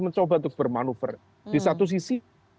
mencoba untuk bermanuver di satu sisi